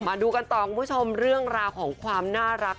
มาดูกันต่อคุณผู้ชมเรื่องราวของความน่ารัก